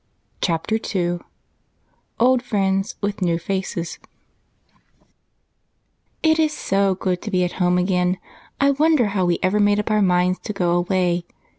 Chapter 2 OLD FRIENDS WITH NEW FACES "It is so good to be home again! I wonder how we ever made up our minds to go away!"